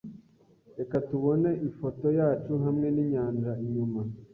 Reka tubone ifoto yacu hamwe ninyanja inyuma.